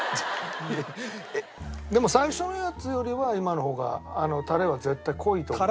でも最初のやつよりは今の方がタレは絶対濃いと思う。